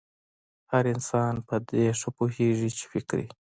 هر انسان پر دې ښه پوهېږي چې فکري